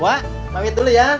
wah pamit dulu ya